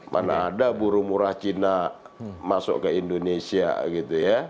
mana ada buruh murah cina masuk ke indonesia gitu ya